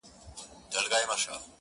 عجايب يې دي رنگونه د ټوكرانو،